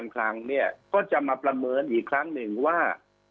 ก็จะมาประเมินอีกครั้งหนึ่งว่า